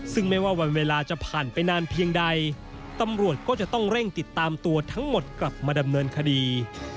ซึ่งไม่ว่าวันเวลาจะผ่านไปนานเพียงใดตำรวจก็จะต้องเร่งติดตามตัวทั้งหมดกลับมาดำเนินคดี